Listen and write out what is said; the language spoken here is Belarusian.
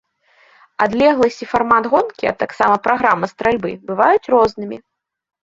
Адлегласць і фармат гонкі, а таксама праграма стральбы бываюць рознымі.